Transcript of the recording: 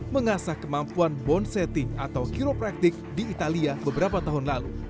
mengasah kemampuan bondsetting atau kiropraktik di italia beberapa tahun lalu